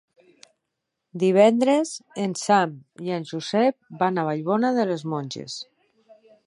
Divendres en Sam i en Josep van a Vallbona de les Monges.